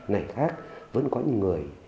này khác vẫn có những người